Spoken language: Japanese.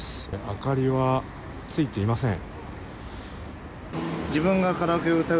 明かりはついていません。